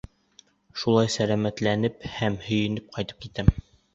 Шулай сәләмәтләнеп һәм һөйөнөп ҡайтып китәм.